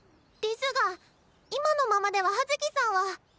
ですが今のままでは葉月さんは。